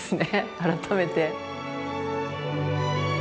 改めて。